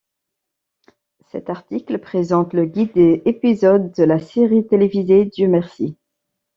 Cet article présente le guide des épisodes de la série télévisée Dieu merci!.